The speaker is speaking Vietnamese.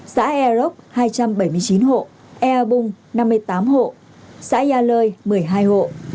xã air rock hai trăm bảy mươi chín hộ air bung năm mươi tám hộ xã gia lơi một mươi hai hộ